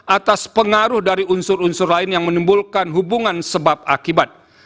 atas pengaruh dari unsur unsur lain yang menimbulkan hubungan sebab akibat